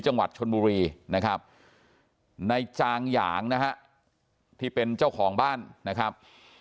จังหวัดชนบุรีนะครับในจางหยางนะฮะที่เป็นเจ้าของบ้านนะครับ